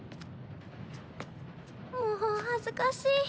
もう恥ずかしい。